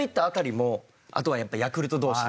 あとはやっぱヤクルト同士で。